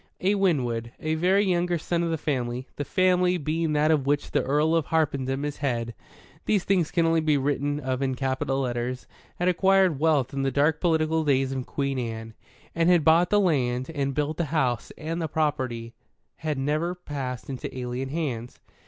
A Winwood, a very younger son of the Family the Family being that of which the Earl of Harpenden is Head (these things can only be written of in capital letters) had acquired wealth in the dark political days of Queen Anne, and had bought the land and built the house, and the property had never passed into alien hands.